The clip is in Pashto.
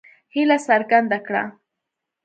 هیله څرګنده کړه.